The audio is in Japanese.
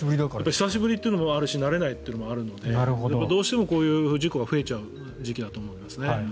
久しぶりというのもあるし慣れないというのもあるのでどうしてもこういう事故が増えちゃう時期だと思いますね。